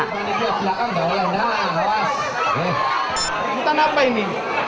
rebutan apa ini